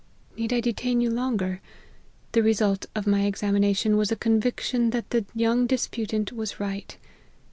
Need I detain you longer ? The result of my examination was a conviction that the young disputant wa*> right.